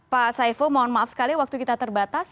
pak saiful mohon maaf sekali waktu kita terbatas